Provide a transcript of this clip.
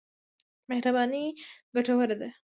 مهرباني ګټوره ده.